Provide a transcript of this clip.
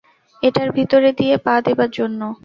এটার ভিতরে দিয়ে পা দেবার জন্য।